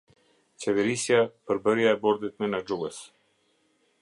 Qeverisja — përbërja e Bordit Menaxhues.